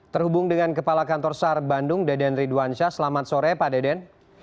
terhubung dengan kepala kantor sar bandung deden ridwansyah selamat sore pak deden